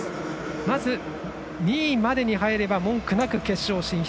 まず２位までに入れば文句なく決勝進出。